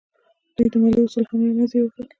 دوی د مالیې اصول هم له منځه یوړل.